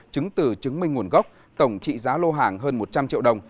chứng từ chứng minh nguồn gốc tổng trị giá lô hàng hơn một trăm linh triệu đồng